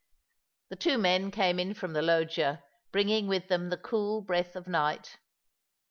The two men came in from the loggia, bringing with them the cool breath of night.